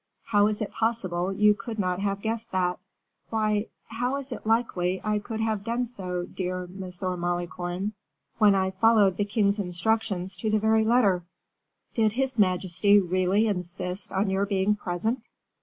How is it possible you could not have guessed that?" "Why, how is it likely I could have done so, dear M. Malicorne, when I followed the king's instructions to the very letter?" "Did his majesty really insist on your being present?"